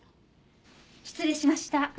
失礼しました。